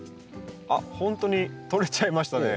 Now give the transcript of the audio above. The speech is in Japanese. あっほんとに取れちゃいましたね。